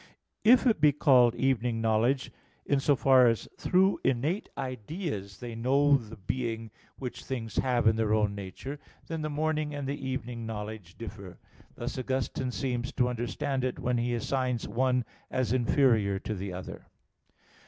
If it be called evening knowledge, in so far as through innate ideas they know the being which things have in their own natures, then the morning and the evening knowledge differ. Thus Augustine seems to understand it when he assigns one as inferior to the other.